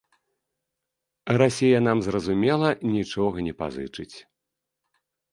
Расія нам, зразумела, нічога не пазычыць.